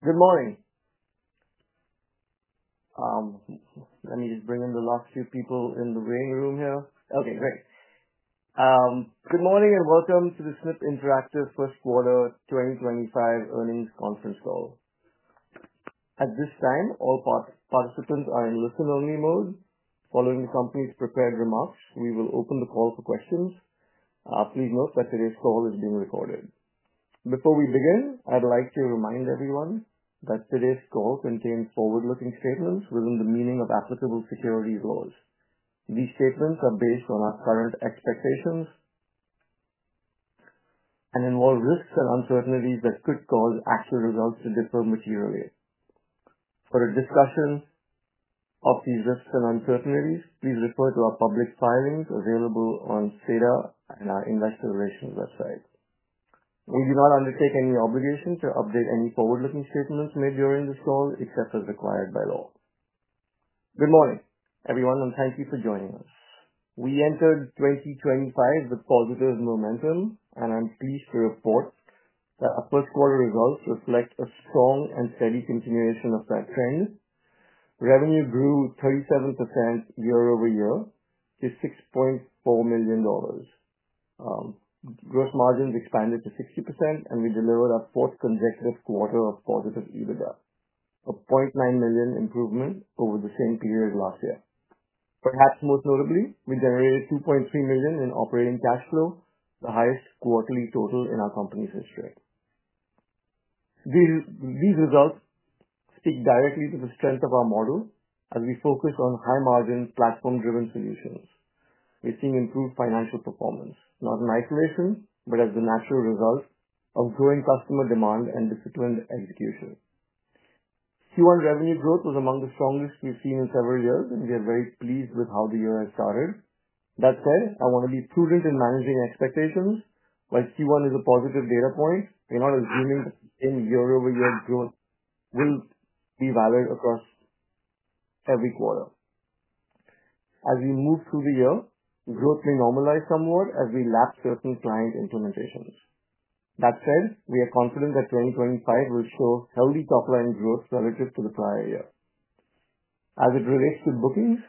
Good morning. Let me just bring in the last few people in the waiting room here. Okay, great. Good morning and welcome to the Snipp Interactive First Quarter 2025 earnings conference call. At this time, all participants are in listen-only mode. Following the company's prepared remarks, we will open the call for questions. Please note that today's call is being recorded. Before we begin, I'd like to remind everyone that today's call contains forward-looking statements within the meaning of applicable securities laws. These statements are based on our current expectations and involve risks and uncertainties that could cause actual results to differ materially. For a discussion of these risks and uncertainties, please refer to our public filings available on SEDAR and our investor relations website. We do not undertake any obligation to update any forward-looking statements made during this call except as required by law. Good morning, everyone, and thank you for joining us. We entered 2025 with positive momentum, and I'm pleased to report that our first-quarter results reflect a strong and steady continuation of that trend. Revenue grew 37% year-over-year to $6.4 million. Gross margins expanded to 60%, and we delivered our fourth consecutive quarter of positive EBITDA, a $0.9 million improvement over the same period last year. Perhaps most notably, we generated $2.3 million in operating cash flow, the highest quarterly total in our company's history. These results speak directly to the strength of our model as we focus on high-margin, platform-driven solutions. We're seeing improved financial performance, not in isolation, but as the natural result of growing customer demand and disciplined execution. Q1 revenue growth was among the strongest we've seen in several years, and we are very pleased with how the year has started. That said, I wanna be prudent in managing expectations. While Q1 is a positive data point, we're not assuming that the same year-over-year growth will be valid across every quarter. As we move through the year, growth may normalize somewhat as we lapse certain client implementations. That said, we are confident that 2025 will show healthy top-line growth relative to the prior year. As it relates to bookings,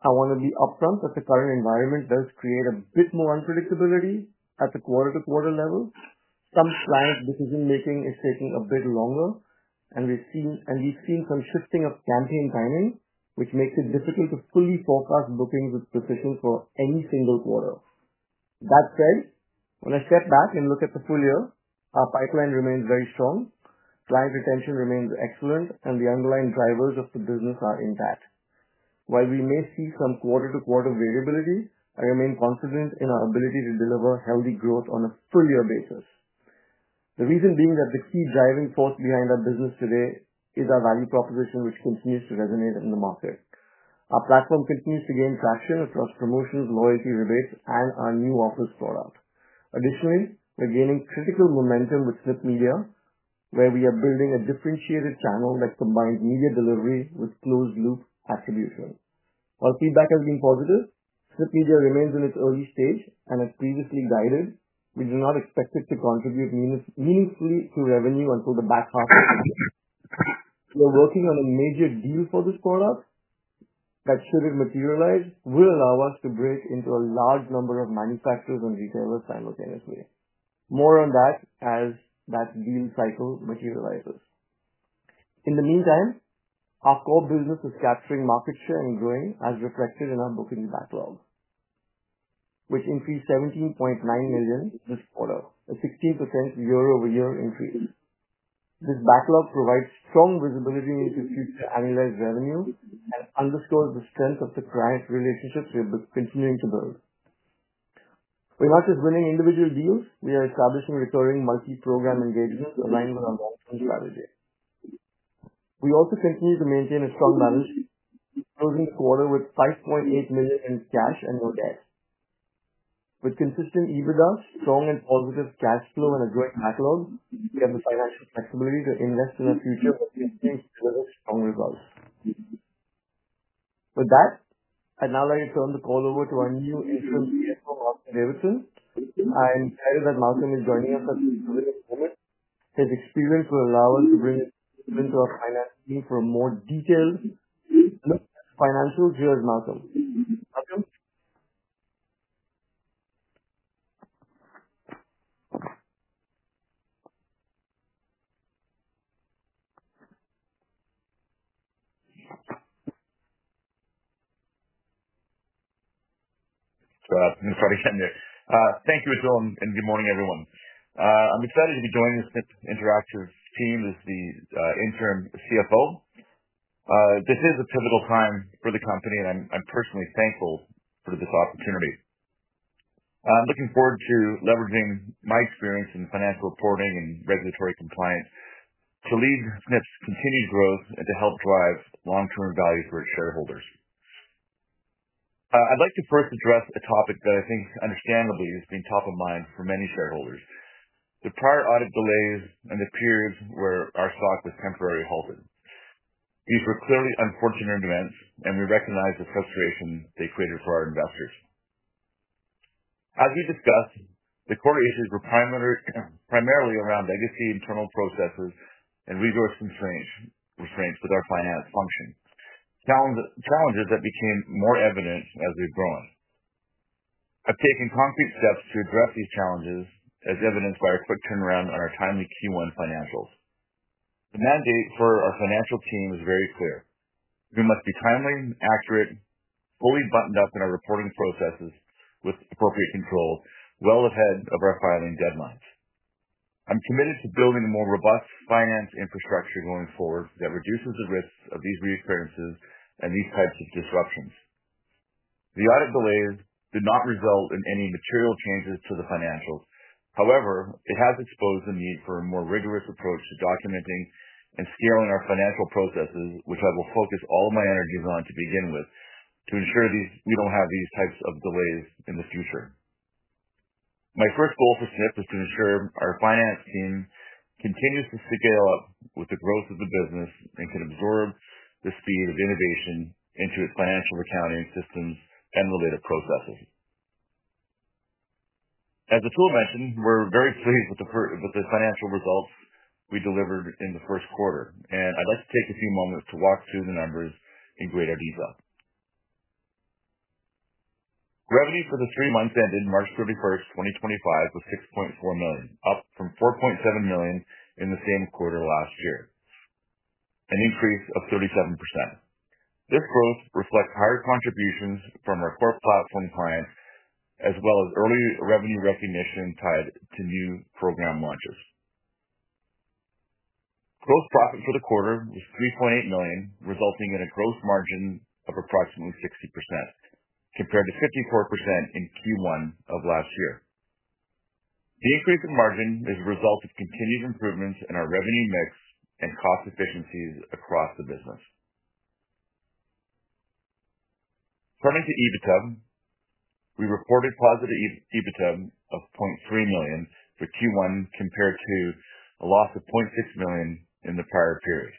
I wanna be upfront that the current environment does create a bit more unpredictability at the quarter-to-quarter level. Some client decision-making is taking a bit longer, and we've seen some shifting of campaign timing, which makes it difficult to fully forecast bookings with precision for any single quarter. That said, when I step back and look at the full year, our pipeline remains very strong, client retention remains excellent, and the underlying drivers of the business are intact. While we may see some quarter-to-quarter variability, I remain confident in our ability to deliver healthy growth on a full-year basis. The reason being that the key driving force behind our business today is our value proposition, which continues to resonate in the market. Our platform continues to gain traction across promotions, loyalty rebates, and our new offers product. Additionally, we're gaining critical momentum with Snipp Media, where we are building a differentiated channel that combines media delivery with closed-loop attribution. While feedback has been positive, Snipp Media remains in its early stage and as previously guided. We do not expect it to contribute meaningfully to revenue until the back half of the year. We're working on a major deal for this product that, should it materialize, will allow us to break into a large number of manufacturers and retailers simultaneously. More on that as that deal cycle materializes. In the meantime, our core business is capturing market share and growing, as reflected in our bookings backlog, which increased $17.9 million this quarter, a 16% year-over-year increase. This backlog provides strong visibility into future annualized revenue and underscores the strength of the client relationships we're continuing to build. We're not just winning individual deals; we are establishing recurring multi-program engagements aligned with our long-term strategy. We also continue to maintain a strong balance sheet, closing the quarter with $5.8 million in cash and no debt. With consistent EBITDA, strong and positive cash flow, and a growing backlog, we have the financial flexibility to invest in our future, which we intend to deliver strong results. With that, I'd now like to turn the call over to our new interim CFO, Malcolm Davidson. I'm excited that Malcolm is joining us at this brilliant moment. His experience will allow us to bring his perspective into our finance team for a more detailed look at the financials. Here is Malcolm. Malcolm? Sorry. Sorry to cut in there. Thank you, Atul, and good morning, everyone. I'm excited to be joining the Snipp Interactive team as the Interim CFO. This is a pivotal time for the company, and I'm personally thankful for this opportunity. I'm looking forward to leveraging my experience in financial reporting and regulatory compliance to lead Snipp's continued growth and to help drive long-term value for its shareholders. I'd like to first address a topic that I think, understandably, has been top of mind for many shareholders: the prior audit delays and the periods where our stock was temporarily halted. These were clearly unfortunate events, and we recognize the frustration they created for our investors. As we discussed, the quarter issues were primarily around legacy internal processes and resource constraints with our finance function—challenges that became more evident as we've grown. I've taken concrete steps to address these challenges, as evidenced by our quick turnaround on our timely Q1 financials. The mandate for our financial team is very clear: we must be timely, accurate, fully buttoned up in our reporting processes with appropriate control, well ahead of our filing deadlines. I'm committed to building a more robust finance infrastructure going forward that reduces the risks of these reoccurrences and these types of disruptions. The audit delays did not result in any material changes to the financials. However, it has exposed the need for a more rigorous approach to documenting and scaling our financial processes, which I will focus all of my energies on to begin with, to ensure these—we don't have these types of delays in the future. My first goal for Snipp is to ensure our finance team continues to scale up with the growth of the business and can absorb the speed of innovation into its financial accounting systems and related processes. As Atul mentioned, we're very pleased with the financial results we delivered in the first quarter, and I'd like to take a few moments to walk through the numbers in greater detail. Revenue for the three months ended March 31, 2025, was $6.4 million, up from $4.7 million in the same quarter last year, an increase of 37%. This growth reflects higher contributions from our core platform clients as well as early revenue recognition tied to new program launches. Gross profit for the quarter was $3.8 million, resulting in a gross margin of approximately 60%, compared to 54% in Q1 of last year. The increase in margin is a result of continued improvements in our revenue mix and cost efficiencies across the business. Turning to EBITDA, we reported positive EBITDA of $0.3 million for Q1, compared to a loss of $0.6 million in the prior period.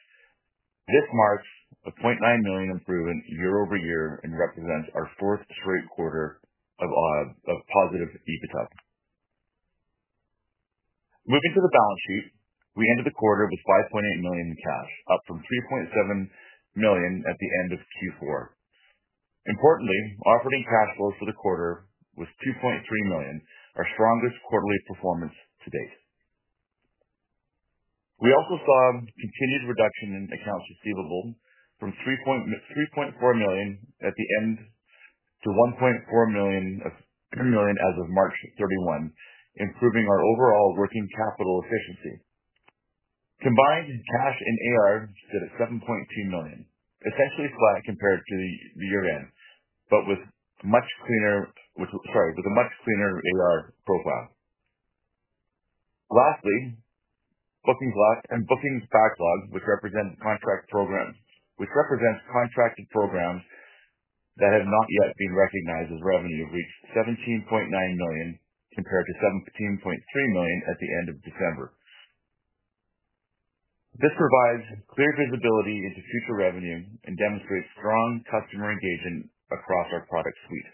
This marks a $0.9 million improvement year-over-year and represents our fourth straight quarter of positive EBITDA. Moving to the balance sheet, we ended the quarter with $5.8 million in cash, up from $3.7 million at the end of Q4. Importantly, operating cash flow for the quarter was $2.3 million, our strongest quarterly performance to date. We also saw continued reduction in accounts receivable from $3.3-$3.4 million at the end to $1.4 million as of March 31, improving our overall working capital efficiency. Combined cash and AR stood at $7.2 million, essentially flat compared to the year-end, but with a much cleaner AR profile. Lastly, bookings log and bookings backlog, which represents contracted programs that have not yet been recognized as revenue, reached $17.9 million compared to $17.3 million at the end of December. This provides clear visibility into future revenue and demonstrates strong customer engagement across our product suite.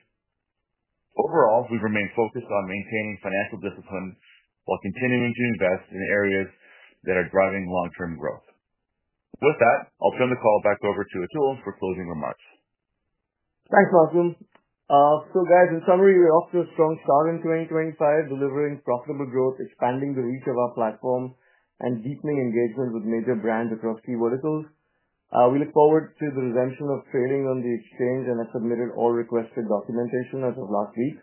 Overall, we remain focused on maintaining financial discipline while continuing to invest in areas that are driving long-term growth. With that, I'll turn the call back over to Atul for closing remarks. Thanks, Malcolm. So guys, in summary, we're off to a strong start in 2025, delivering profitable growth, expanding the reach of our platform, and deepening engagement with major brands across key verticals. We look forward to the resumption of trading on the exchange and have submitted all requested documentation as of last week.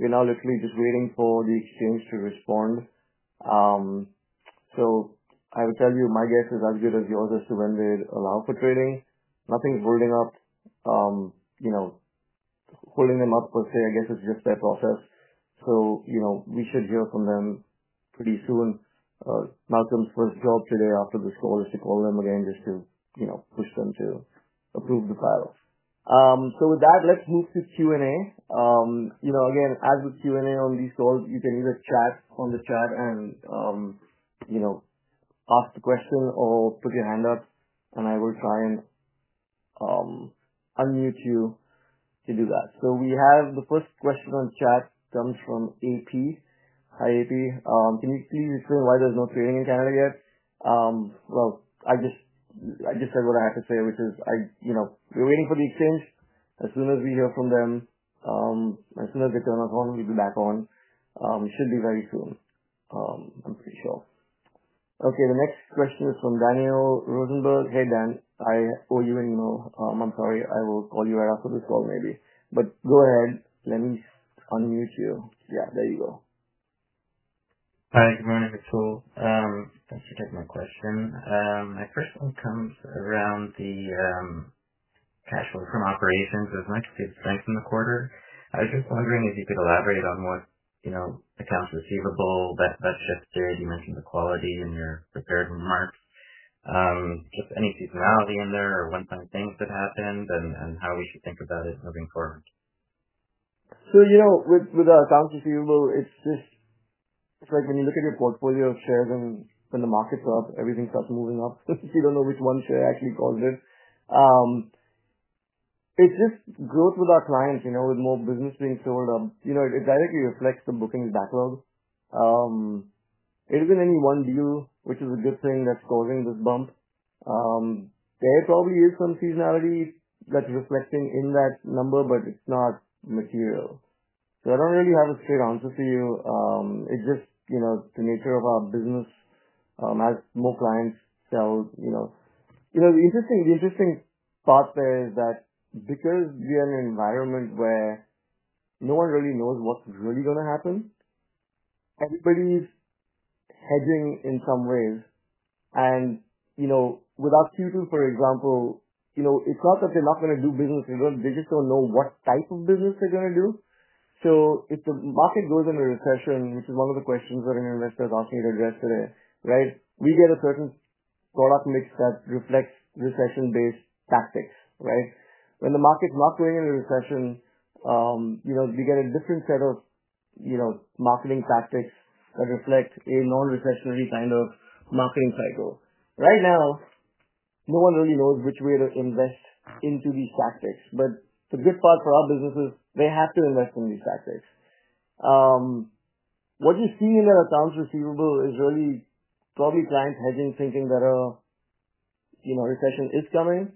We're now literally just waiting for the exchange to respond. I would tell you my guess is as good as yours as to when they'd allow for trading. Nothing's holding them up, per se. I guess it's just their process. You know, we should hear from them pretty soon. Malcolm's first job today after this call is to call them again just to, you know, push them to approve the file. So with that, let's move to Q&A. You know, again, as with Q&A on these calls, you can either chat on the chat and, you know, ask the question or put your hand up, and I will try and unmute you to do that. We have the first question on chat comes from AP. Hi, AP. Can you please explain why there's no trading in Canada yet? I just said what I had to say, which is I, you know, we're waiting for the exchange. As soon as we hear from them, as soon as they turn us on, we'll be back on. It should be very soon, I'm pretty sure. The next question is from Daniel Rosenberg. Hey, Dan. I owe you an email. I'm sorry. I will call you right after this call maybe, but go ahead. Let me unmute you. Yeah, there you go. Hi, good morning, Atul. Thanks for taking my question. My first one comes around the cash flow from operations. It was nice to see the strength in the quarter. I was just wondering if you could elaborate on what, you know, accounts receivable that shifted. You mentioned the quality in your prepared remarks. Just any seasonality in there or one-time things that happened and how we should think about it moving forward. You know, with our accounts receivable, it's just, it's like when you look at your portfolio of shares and when the market's up, everything starts moving up. You don't know which one share actually caused it. It's just growth with our clients, you know, with more business being sold. You know, it directly reflects the bookings backlog. It isn't any one deal, which is a good thing that's causing this bump. There probably is some seasonality that's reflecting in that number, but it's not material. I don't really have a straight answer for you. It's just, you know, the nature of our business, as more clients sell, you know. The interesting part there is that because we are in an environment where no one really knows what's really gonna happen, everybody's hedging in some ways. You know, with our Q2, for example, you know, it's not that they're not gonna do business. They don't, they just don't know what type of business they're gonna do. If the market goes into recession, which is one of the questions that an investor's asked me to address today, right, we get a certain product mix that reflects recession-based tactics, right? When the market's not going into recession, you know, we get a different set of, you know, marketing tactics that reflect a non-recessionary kind of marketing cycle. Right now, no one really knows which way to invest into these tactics, but the good part for our business is they have to invest in these tactics. What you're seeing in their accounts receivable is really probably clients hedging, thinking that a, you know, recession is coming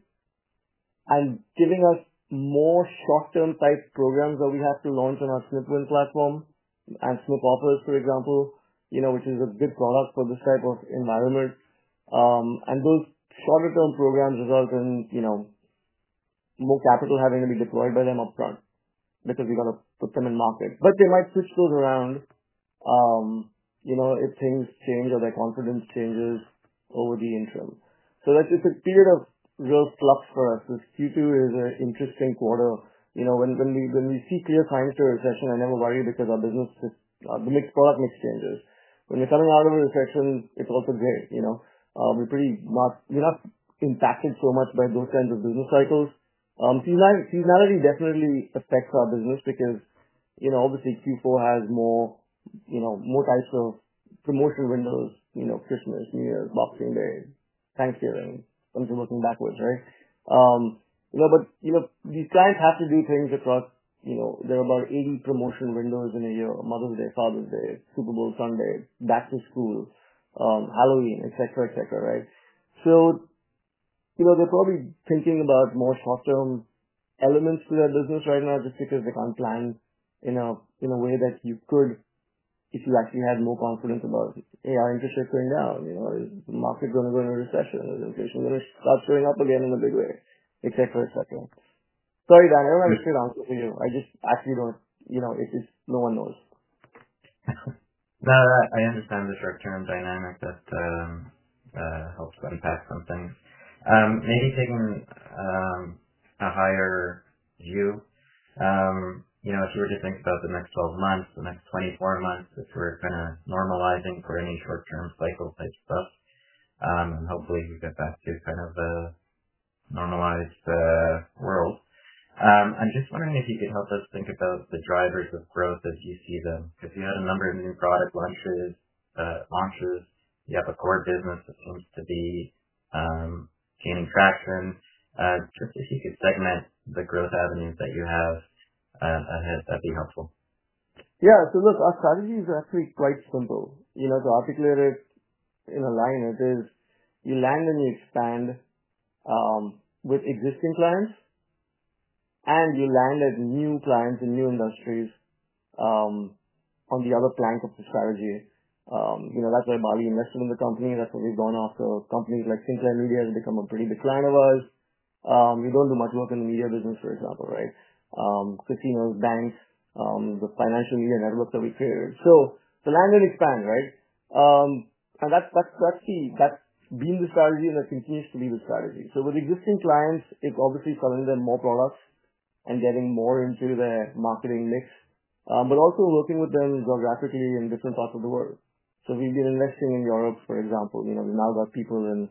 and giving us more short-term type programs that we have to launch on our Snipp Win platform and Snipp Offers, for example, you know, which is a good product for this type of environment. Those shorter-term programs result in, you know, more capital having to be deployed by them upfront because we gotta put them in market. They might switch those around, you know, if things change or their confidence changes over the interim. It's a period of real flux for us. This Q2 is an interesting quarter. You know, when we see clear signs to a recession, I never worry because our business, the product mix changes. When we're coming out of a recession, it's also great, you know. We're pretty not, we're not impacted so much by those kinds of business cycles. Seasonality, seasonality definitely affects our business because, you know, obviously Q4 has more, you know, more types of promotion windows, you know, Christmas, New Year's, Boxing Day, Thanksgiving, something working backwards, right? You know, but, you know, these clients have to do things across, you know, there are about 80 promotion windows in a year: Mother's Day, Father's Day, Super Bowl, Sunday, back to school, Halloween, etc., etc., right? So, you know, they're probably thinking about more short-term elements to their business right now just because they can't plan in a, in a way that you could if you actually had more confidence about, hey, are interest rates going down, you know, is the market gonna go into recession, is inflation gonna start showing up again in a big way, etc., etc. Sorry, Dan. I don't have a straight answer for you. I just actually don't, you know, it's, it's no one knows. No, that, I understand the short-term dynamic that, helps unpack some things. Maybe taking, a higher view, you know, if you were to think about the next 12 months, the next 24 months, if we're kinda normalizing for any short-term cycle type stuff, and hopefully we get back to kind of a normalized, world. I'm just wondering if you could help us think about the drivers of growth as you see them, 'cause you had a number of new product launches. You have a core business that seems to be, gaining traction. Just if you could segment the growth avenues that you have, ahead, that'd be helpful. Yeah, so look, our strategy is actually quite simple. You know, to articulate it in a line, it is you land and you expand, with existing clients, and you land new clients in new industries, on the other flank of the strategy. You know, that's why Bally invested in the company. That's why we've gone after companies like Sinclair Media, which has become a pretty big client of ours. We don't do much work in the media business, for example, right? Casinos, banks, the financial media network that we created. To land and expand, right? That's been the strategy and that continues to be the strategy. With existing clients, it's obviously selling them more products and getting more into their marketing mix, but also working with them geographically in different parts of the world. We've been investing in Europe, for example. You know, we've now got people in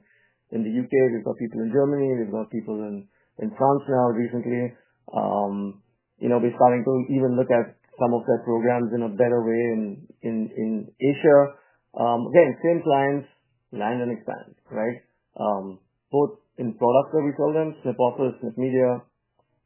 the U.K., we've got people in Germany, we've got people in France now recently. You know, we're starting to even look at some of their programs in a better way in Asia. Again, same clients, land and expand, right? Both in products that we sell them, Snipp Offers, Snipp Media.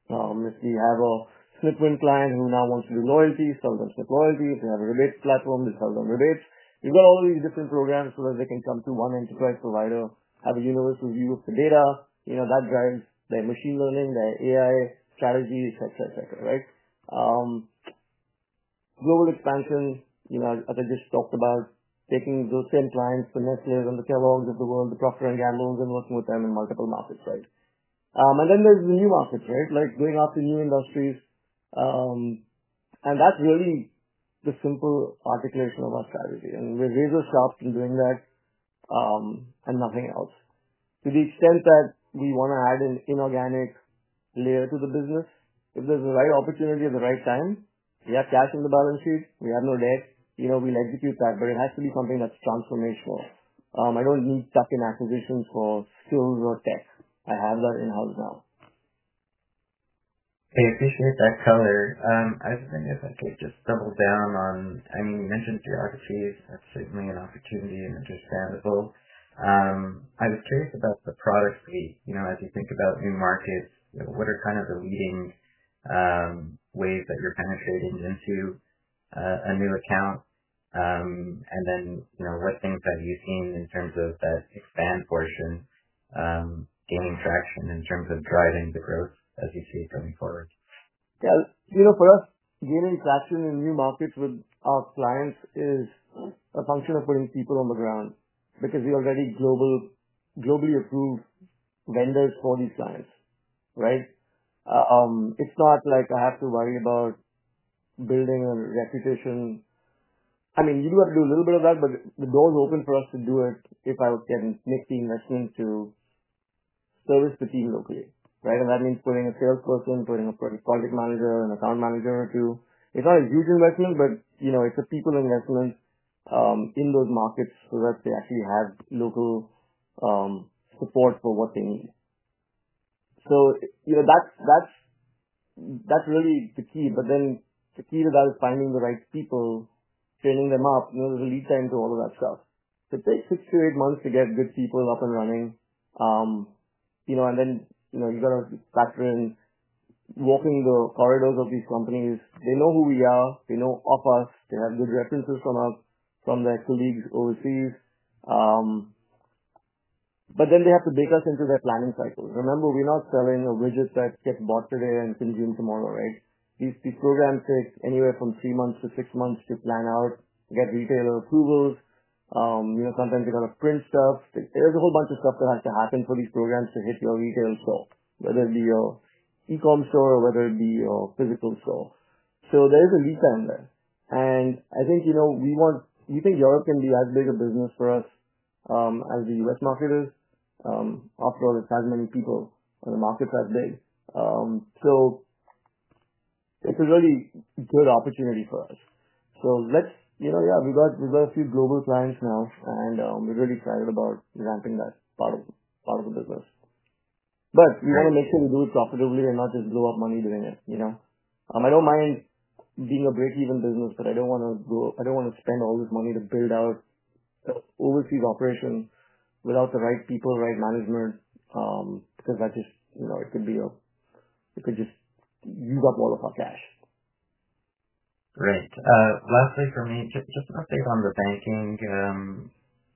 If we have a Snipp Win client who now wants to do loyalty, sell them Snipp Loyalty. If they have a rebate platform, we sell them rebates. We've got all these different programs so that they can come to one enterprise provider, have a universal view of the data. You know, that drives their machine learning, their AI strategy, etc., etc., right? Global expansion, you know, as I just talked about, taking those same clients, the Nestlés and the Kellogg's of the world, the Procter and Gambles, and working with them in multiple markets, right? Then there are the new markets, right? Like going after new industries. That is really the simple articulation of our strategy. We are razor-sharp in doing that, and nothing else. To the extent that we wanna add an inorganic layer to the business, if there is the right opportunity at the right time, we have cash on the balance sheet, we have no debt, you know, we will execute that, but it has to be something that is transformational. I do not need to get stuck in acquisitions for skills or tech. I have that in-house now. I appreciate that, Khaled. I was wondering if I could just double down on, I mean, you mentioned geographies. That's certainly an opportunity and understandable. I was curious about the product suite, you know, as you think about new markets, what are kind of the leading ways that you're penetrating into a new account? And then, you know, what things have you seen in terms of that expand portion, gaining traction in terms of driving the growth as you see it going forward? Yeah, you know, for us, gaining traction in new markets with our clients is a function of putting people on the ground because we are already globally approved vendors for these clients, right? It's not like I have to worry about building a reputation. I mean, you do have to do a little bit of that, but the door's open for us to do it if I can make the investment to service the team locally, right? That means putting a salesperson, putting a project manager, an account manager or two. It's not a huge investment, but, you know, it's a people investment in those markets so that they actually have local support for what they need. You know, that's really the key. The key to that is finding the right people, training them up. You know, there's a lead time to all of that stuff. It takes 6 to 8 months to get good people up and running. You know, and then, you know, you gotta factor in walking the corridors of these companies. They know who we are. They know of us. They have good references from us, from their colleagues overseas. But then they have to bake us into their planning cycle. Remember, we're not selling a widget that gets bought today and consumed tomorrow, right? These, these programs take anywhere from three months to six months to plan out, get retailer approvals. You know, sometimes you gotta print stuff. There's a whole bunch of stuff that has to happen for these programs to hit your retail shop, whether it be your e-comm store or whether it be your physical store. There is a lead time there. I think, you know, we want, we think Europe can be as big a business for us as the US market is. After all, it's as many people and the market's as big. It's a really good opportunity for us. Let's, you know, yeah, we've got a few global clients now, and we're really excited about ramping that part of the business. We wanna make sure we do it profitably and not just blow up money doing it, you know? I don't mind being a break-even business, but I don't wanna go, I don't wanna spend all this money to build out an overseas operation without the right people, right management, 'cause that just, you know, it could be a, it could just use up all of our cash. Great. Lastly for me, just an update on the banking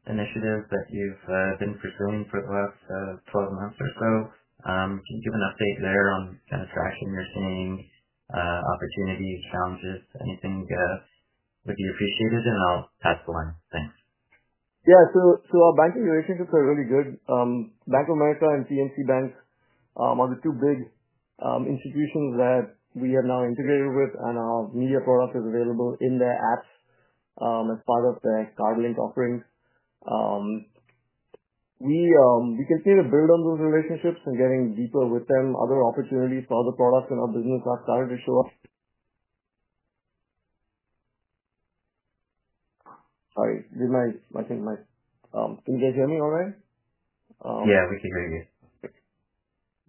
initiative that you've been pursuing for the last 12 months or so. Can you give an update there on kind of traction you're seeing, opportunities, challenges, anything would be appreciated, and I'll pass the line. Thanks. Yeah, our banking relationships are really good. Bank of America and PNC Bank are the two big institutions that we have now integrated with, and our media product is available in their apps as part of their CardLink offerings. We continue to build on those relationships and getting deeper with them. Other opportunities for other products in our business are starting to show up. Sorry, did my thing, my thing get—hear me all right? Yeah, we can hear you.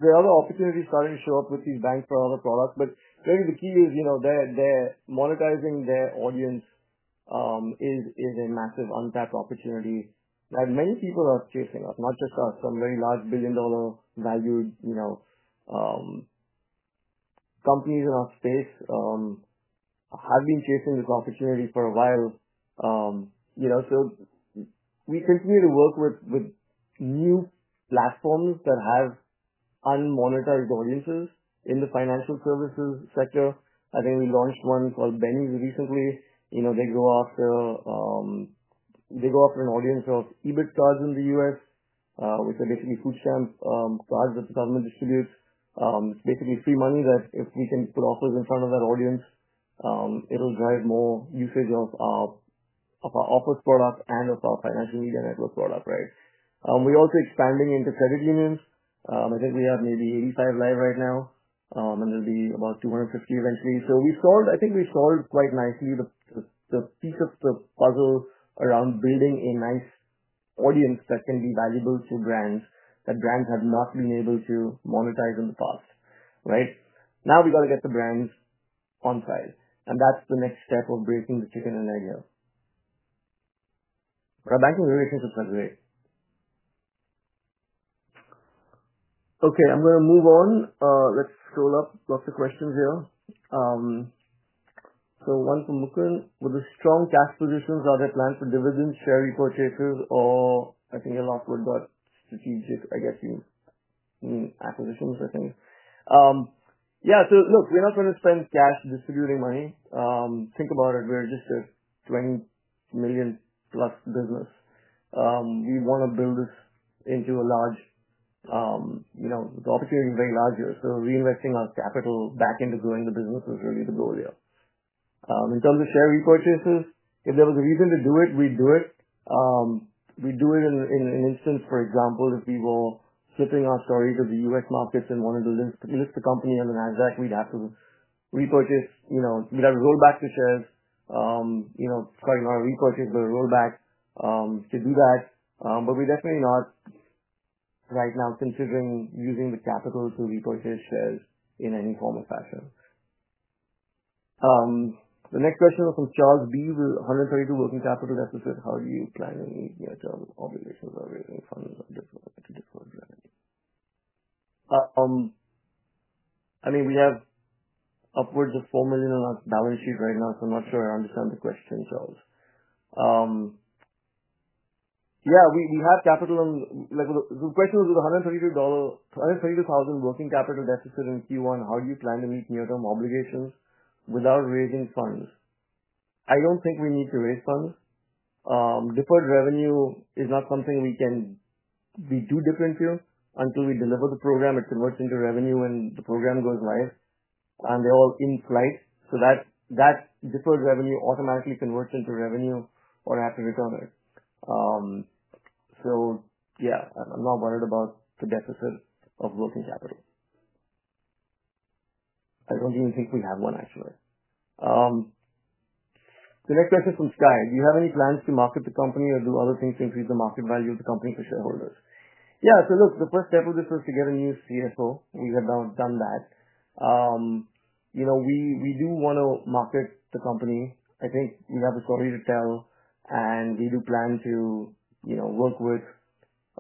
The other opportunities starting to show up with these banks for other products. Really, the key is, you know, they're monetizing their audience, is a massive untapped opportunity that many people are chasing, not just us. Some very large billion-dollar valued, you know, companies in our space have been chasing this opportunity for a while. You know, we continue to work with new platforms that have unmonetized audiences in the financial services sector. I think we launched one called Benny's recently. You know, they go after an audience of EBT cards in the U.S., which are basically food stamp cards that the government distributes. It's basically free money that if we can put offers in front of that audience, it'll drive more usage of our offers product and of our financial media network product, right? We're also expanding into credit unions. I think we have maybe 85 live right now, and there'll be about 250 eventually. I think we've solved quite nicely the piece of the puzzle around building a nice audience that can be valuable to brands that brands have not been able to monetize in the past, right? Now we gotta get the brands on file, and that's the next step of breaking the chicken and egg here. Our banking relationships are great. Okay, I'm gonna move on. Let's scroll up. Lots of questions here. So one from Mukun. With the strong cash positions, are there plans for dividends, share repurchases, or I think your last word got strategic, I guess you mean acquisitions, I think. Yeah, so look, we're not gonna spend cash distributing money. Think about it. We're just a $20 million plus business. We wanna build this into a large, you know, the opportunity is very large here. Reinvesting our capital back into growing the business is really the goal here. In terms of share repurchases, if there was a reason to do it, we'd do it. We'd do it in instance, for example, if we were flipping our story to the U.S. markets and wanted to list the company on the NASDAQ, we'd have to repurchase, you know, we'd have to roll back the shares, you know, starting our repurchase with a rollback to do that. We're definitely not right now considering using the capital to repurchase shares in any form or fashion. The next question was from Charles B. With $132 working capital deficit, how do you plan any near-term obligations or raising funds or disposable? I mean, we have upwards of $4 million on our balance sheet right now, so I'm not sure I understand the question, Charles. Yeah, we have capital on, like, the question was with the $132,000 working capital deficit in Q1, how do you plan to meet near-term obligations without raising funds? I don't think we need to raise funds. Deferred revenue is not something we can, we do different to until we deliver the program, it converts into revenue and the program goes live, and they're all in flight. That deferred revenue automatically converts into revenue or has to return it. Yeah, I'm not worried about the deficit of working capital. I don't even think we have one actually. The next question's from Sky. Do you have any plans to market the company or do other things to increase the market value of the company for shareholders? Yeah, so look, the first step of this was to get a new CFO. We have now done that. You know, we do wanna market the company. I think we have a story to tell, and we do plan to, you know, work with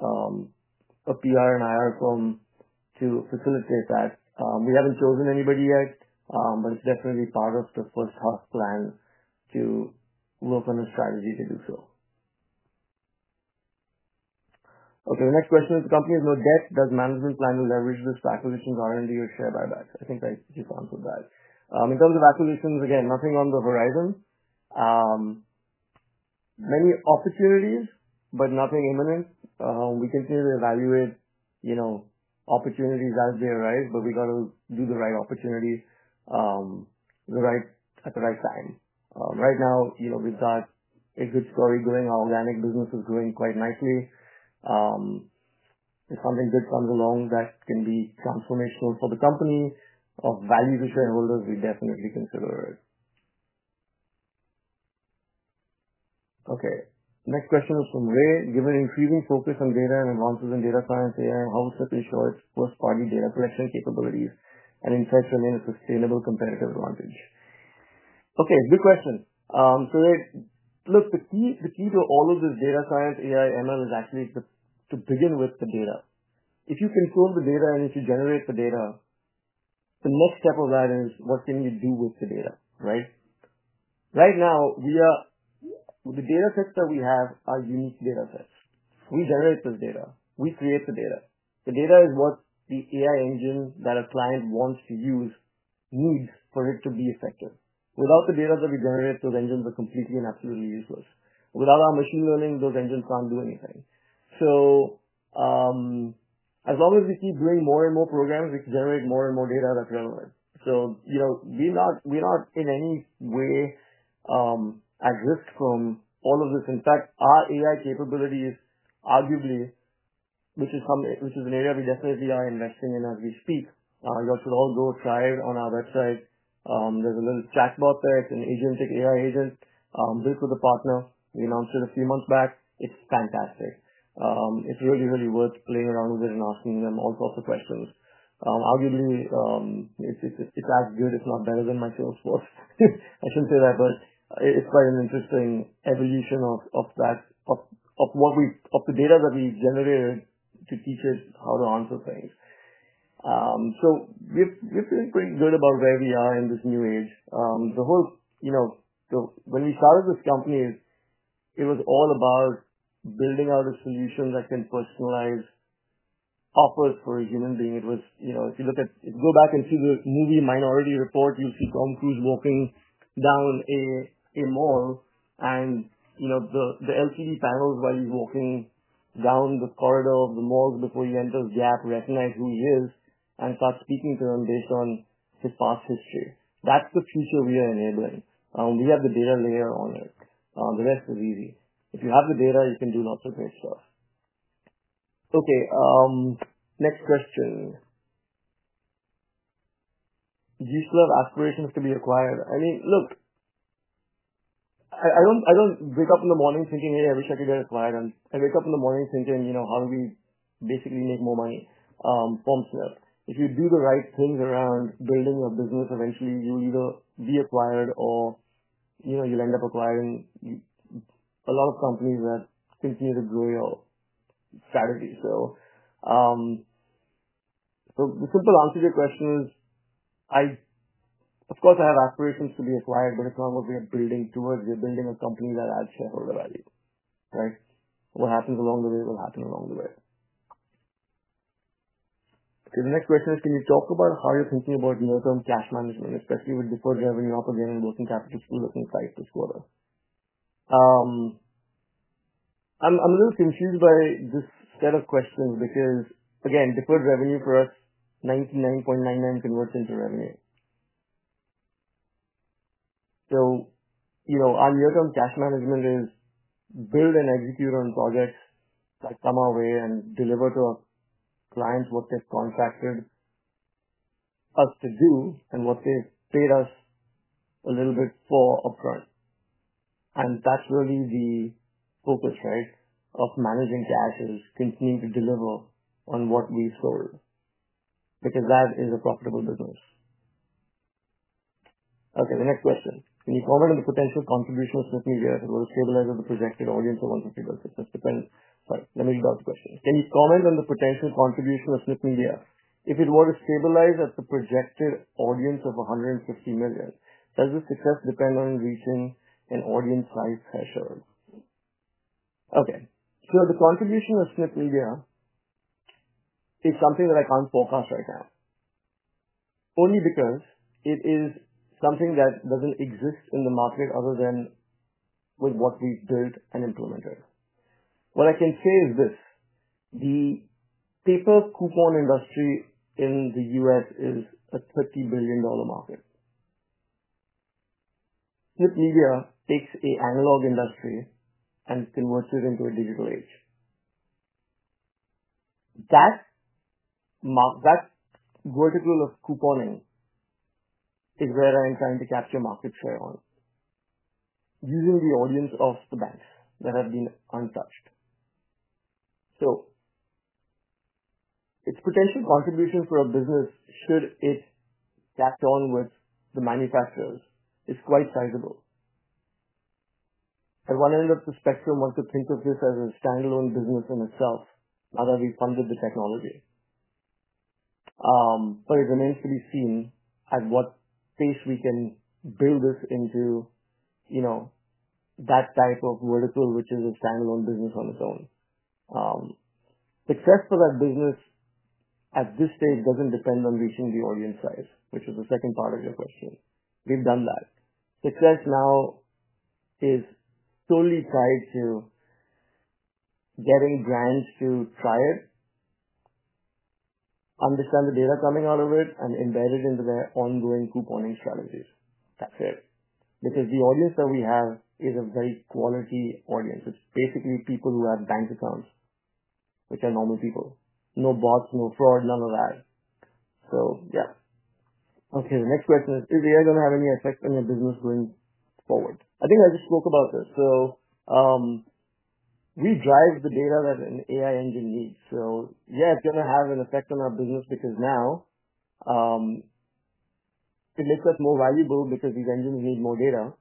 a PR and IR firm to facilitate that. We haven't chosen anybody yet, but it's definitely part of the first-half plan to work on a strategy to do so. Okay, the next question is, the company has no debt. Does management plan to leverage this for acquisitions, R&D, or share buybacks? I think I just answered that. In terms of acquisitions, again, nothing on the horizon. Many opportunities, but nothing imminent. We continue to evaluate, you know, opportunities as they arise, but we gotta do the right opportunity, the right, at the right time. Right now, you know, we've got a good story going. Our organic business is growing quite nicely. If something good comes along that can be transformational for the company of value for shareholders, we definitely consider it. Okay, next question was from Ray. Given increasing focus on data and advances in data science, AI, how will Snipp ensure its first-party data collection capabilities and instead train a sustainable competitive advantage? Okay, good question. So look, the key, the key to all of this data science, AI, ML is actually to, to begin with the data. If you control the data and if you generate the data, the next step of that is what can you do with the data, right? Right now, we are, the datasets that we have are unique datasets. We generate this data. We create the data. The data is what the AI engine that a client wants to use needs for it to be effective. Without the data that we generate, those engines are completely and absolutely useless. Without our machine learning, those engines can't do anything. As long as we keep doing more and more programs, we can generate more and more data that's relevant. You know, we're not, we're not in any way at risk from all of this. In fact, our AI capabilities, arguably, which is some, which is an area we definitely are investing in as we speak. Y'all should all go try it on our website. There's a little chatbot there. It's an agentic AI agent, built with a partner. We announced it a few months back. It's fantastic. It's really, really worth playing around with it and asking them all sorts of questions. Arguably, it's as good, if not better than my Salesforce. I shouldn't say that, but it's quite an interesting evolution of what we, of the data that we generated to teach it how to answer things. We're feeling pretty good about where we are in this new age. The whole, you know, when we started this company, it was all about building out a solution that can personalize offers for a human being. It was, you know, if you look at, if you go back and see the movie Minority Report, you'll see Tom Cruise walking down a mall and, you know, the LCD panels while he's walking down the corridor of the malls before he enters Gap recognize who he is and start speaking to him based on his past history. That's the future we are enabling. We have the data layer on it. The rest is easy. If you have the data, you can do lots of great stuff. Okay, next question. Do you still have aspirations to be acquired? I mean, look, I don't, I don't wake up in the morning thinking, "Hey, I wish I could get acquired." I wake up in the morning thinking, you know, how do we basically make more money, from Snipp? If you do the right things around building your business, eventually you'll either be acquired or, you know, you'll end up acquiring a lot of companies that continue to grow your strategy. The simple answer to your question is, I, of course, I have aspirations to be acquired, but it's not what we are building towards. We are building a company that adds shareholder value, right? What happens along the way will happen along the way. Okay, the next question is, can you talk about how you're thinking about near-term cash management, especially with deferred revenue opposite and working capital still looking tight this quarter? I'm, I'm a little confused by this set of questions because, again, deferred revenue for us, 99.99% converts into revenue. You know, our near-term cash management is build and execute on projects that come our way and deliver to our clients what they've contracted us to do and what they've paid us a little bit for upfront. That's really the focus, right, of managing cash is continuing to deliver on what we've sold because that is a profitable business. Okay, the next question. Can you comment on the potential contribution of Snipp Media if it were to stabilize at the projected audience of 150 million? Just depending. Sorry, let me read out the question. Can you comment on the potential contribution of Snipp Media? If it were to stabilize at the projected audience of 150 million, does the success depend on reaching an audience size threshold? Okay, so the contribution of Snipp Media is something that I can't forecast right now only because it is something that doesn't exist in the market other than with what we've built and implemented. What I can say is this. The paper coupon industry in the U.S. is a $30 billion market. Snipp Media takes an analog industry and converts it into a digital age. That mark, that vertical of couponing is where I am trying to capture market share on using the audience of the banks that have been untouched. So its potential contribution for a business should it cap on with the manufacturers is quite sizable. At one end of the spectrum, one could think of this as a standalone business in itself now that we've funded the technology. but it remains to be seen at what pace we can build this into, you know, that type of vertical, which is a standalone business on its own. Success for that business at this stage doesn't depend on reaching the audience size, which was the second part of your question. We've done that. Success now is totally tied to getting brands to try it, understand the data coming out of it, and embed it into their ongoing couponing strategies. That's it. Because the audience that we have is a very quality audience. It's basically people who have bank accounts, which are normal people. No bots, no fraud, none of that. So yeah. Okay, the next question is, is AI gonna have any effect on your business going forward? I think I just spoke about this. So, we drive the data that an AI engine needs. Yeah, it's gonna have an effect on our business because now, it makes us more valuable because these engines need more data.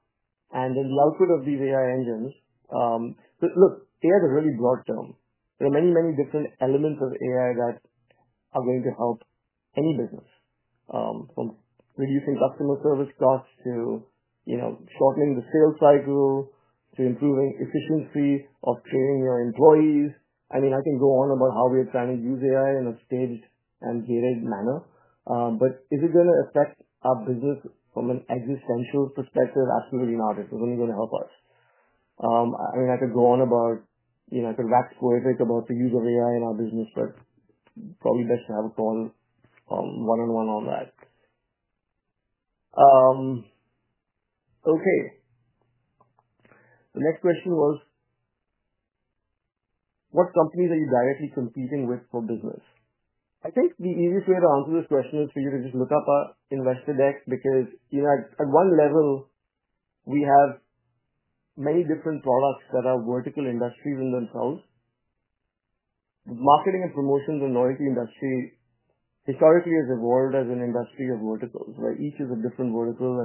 And then the output of these AI engines, look, AI is a really broad term. There are many, many different elements of AI that are going to help any business, from reducing customer service costs to, you know, shortening the sales cycle to improving efficiency of training your employees. I mean, I can go on about how we are trying to use AI in a staged and gated manner. But is it gonna affect our business from an existential perspective? Absolutely not. It's only gonna help us. I mean, I could go on about, you know, I could wax poetic about the use of AI in our business, but probably best to have a call, one-on-one on that. Okay. The next question was, what companies are you directly competing with for business? I think the easiest way to answer this question is for you to just look up our investor deck because, you know, at one level, we have many different products that are vertical industries in themselves. Marketing and promotions and loyalty industry historically has evolved as an industry of verticals where each is a different vertical.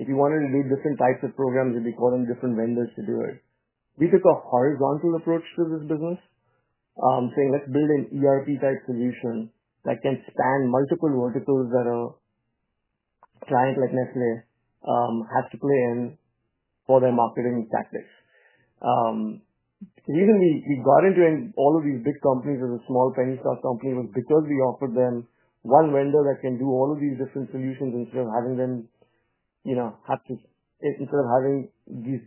If you wanted to do different types of programs, you'd be calling different vendors to do it. We took a horizontal approach to this business, saying, "Let's build an ERP-type solution that can span multiple verticals that a client like Nestlé has to play in for their marketing tactics." The reason we got into all of these big companies as a small penny stock company was because we offered them one vendor that can do all of these different solutions instead of having them, you know, have to, instead of having these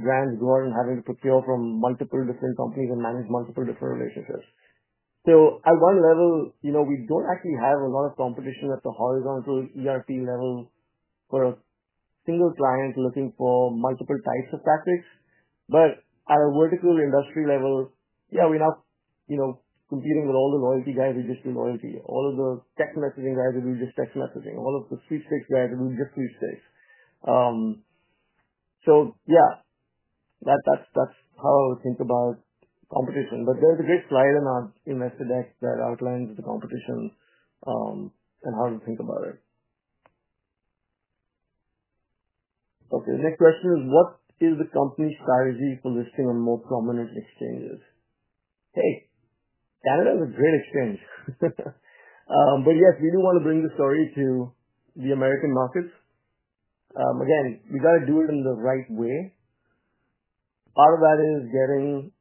brands go out and having to procure from multiple different companies and manage multiple different relationships. At one level, you know, we do not actually have a lot of competition at the horizontal ERP level for a single client looking for multiple types of tactics. At a vertical industry level, yeah, we're now, you know, competing with all the loyalty guys who just do loyalty, all of the text messaging guys who do just text messaging, all of the sweepstakes guys who do just sweepstakes. Yeah, that's how I would think about competition. There is a great slide in our investor deck that outlines the competition, and how to think about it. Okay, the next question is, what is the company's strategy for listing on more prominent exchanges? Hey, Canada is a great exchange. Yes, we do wanna bring the story to the American markets. Again, we gotta do it in the right way. Part of that is getting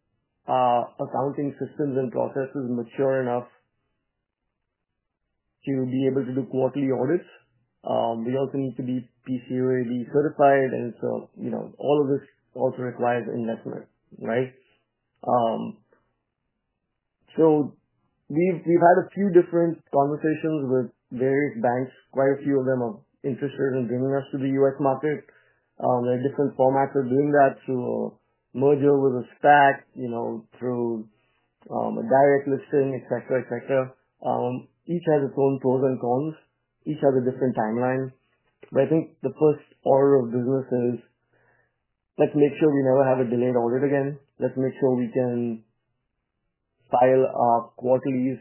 accounting systems and processes mature enough to be able to do quarterly audits. We also need to be PCOAB certified. All of this also requires investment, right? We have had a few different conversations with various banks. Quite a few of them are interested in bringing us to the U.S. market. There are different formats of doing that through a merger with a SPAC, through a direct listing, etc., etc. Each has its own pros and cons. Each has a different timeline. I think the first order of business is, let's make sure we never have a delayed audit again. Let's make sure we can file our quarterlies,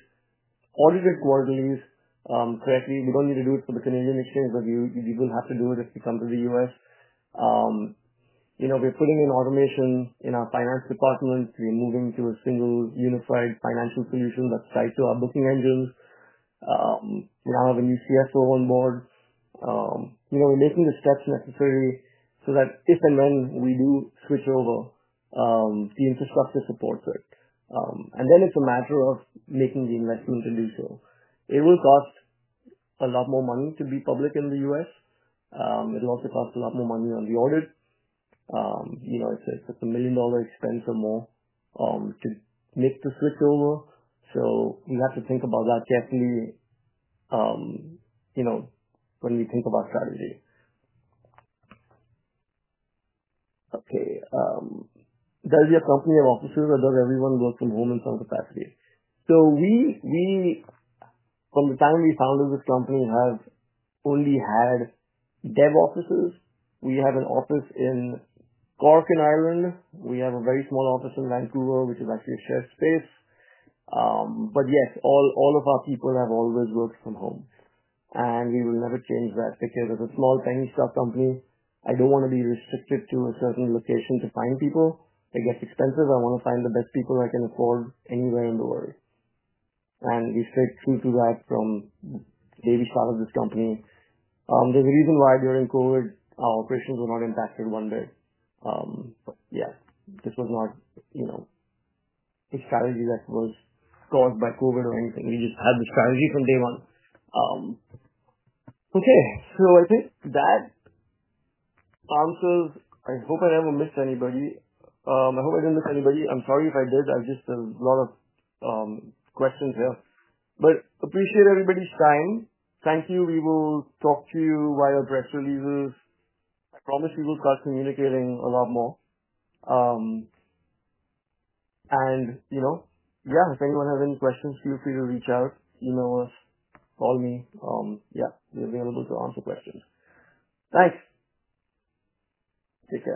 audited quarterlies, correctly. We do not need to do it for the Canadian exchange, but you will have to do it if you come to the U.S. We are putting in automation in our finance department. We are moving to a single unified financial solution that is tied to our booking engines. We now have a new CFO on board. you know, we're making the steps necessary so that if and when we do switch over, the infrastructure supports it. and then it's a matter of making the investment to do so. It will cost a lot more money to be public in the U.S. it'll also cost a lot more money on the audit. you know, it's a, it's a million-dollar expense or more, to make the switch over. So we have to think about that carefully, you know, when we think about strategy. Okay, does your company have offices or does everyone work from home in some capacity? So we, we, from the time we founded this company, have only had dev offices. We have an office in Corkoran Island. We have a very small office in Vancouver, which is actually a shared space. but yes, all, all of our people have always worked from home. We will never change that because as a small penny stock company, I don't wanna be restricted to a certain location to find people. It gets expensive. I wanna find the best people I can afford anywhere in the world. We stayed true to that from the day we started this company. There's a reason why during COVID our operations were not impacted one bit. This was not, you know, a strategy that was caused by COVID or anything. We just had the strategy from day one. I think that answers. I hope I didn't miss anybody. I'm sorry if I did. I've just had a lot of questions here. Appreciate everybody's time. Thank you. We will talk to you via press releases. I promise we will start communicating a lot more. and, you know, yeah, if anyone has any questions, feel free to reach out, email us, call me. Yeah, we're available to answer questions. Thanks. Take care.